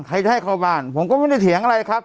ใครจะให้เข้าบ้านผมก็ไม่ได้เถียงอะไรครับ